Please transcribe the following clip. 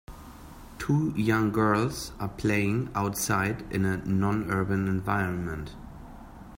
Two young girls are playing outside in a nonurban environment.